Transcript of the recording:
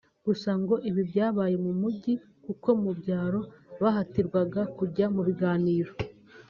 Gusa ngo ibi byabaye mu mijyi kuko mu byaro bahatirwaga kujya mu biganiro